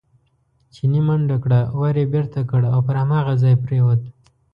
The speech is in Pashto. چیني منډه کړه، ور یې بېرته کړ او پر هماغه ځای پرېوت.